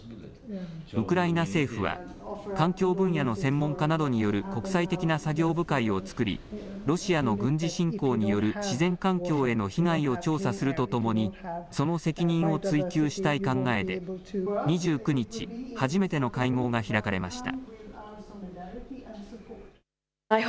ウクライナ政府は環境分野の専門家などによる国際的な作業部会をつくりロシアの軍事侵攻による自然環境への被害を調査するとともにその責任を追及したい考えで２９日初めての会合が開かれました。